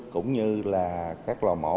cũng như là các lò mổ